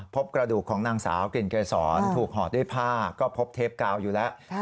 พบกระดูกของนางสาวกลิ่นเกษรถูกห่อด้วยผ้าก็พบเทปกาวอยู่แล้ว